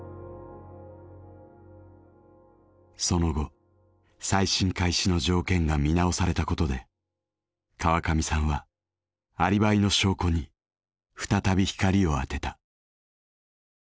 その後再審開始の条件が見直されたことで河上さんはアリバイの証拠に再び光を当てた。